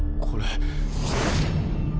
これ。